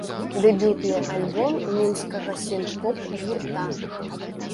Дэбютны альбом мінскага сінт-поп гурта.